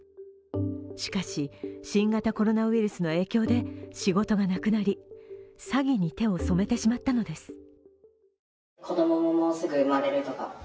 しかし、新型コロナウイルスの影響で仕事がなくなり詐欺に手をそめてしまったのです。